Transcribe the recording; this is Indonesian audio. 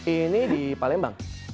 ini di palembang